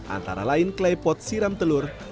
antara lain klepot siram telur